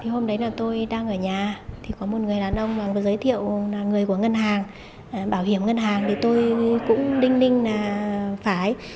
hôm đấy là tôi đang ở nhà có một người đàn ông giới thiệu là người của ngân hàng bảo hiểm ngân hàng tôi cũng đinh đinh là phải